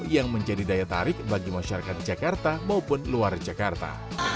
yang menjadi daya tarik bagi masyarakat jakarta maupun luar jakarta